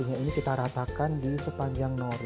ini kita ratakan di sepanjang nori